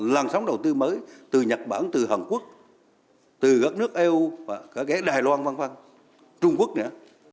làn sóng đầu tư mới từ nhật bản từ hàn quốc từ các nước eu cả cái đài loan văn văn trung quốc nữa